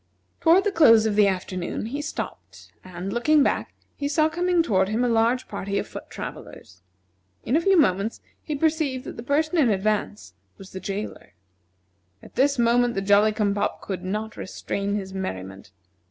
Toward the close of the afternoon he stopped, and, looking back, he saw coming toward him a large party of foot travellers. In a few moments, he perceived that the person in advance was the jailer. At this the Jolly cum pop could not restrain his merriment.